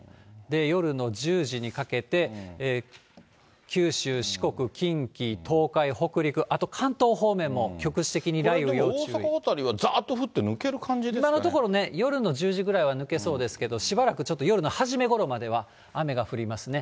夜の１０時にかけて、九州、四国、近畿、東海、北陸、あと関東方面も、局地的に雷雨、これでも、大阪辺りは、今のところね、夜の１０時ぐらいは抜けそうですけど、しばらくちょっと夜の初めごろまでは雨が降りますね。